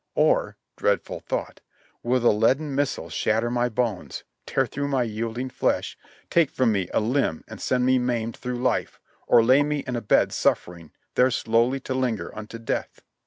Or" — dreadful thought — "will the leaden missile shatter my bones, tear through my yielding flesh, take from me a limb and send me maimed through life, or lay me on a bed suffering, there slowly to linger unto death?"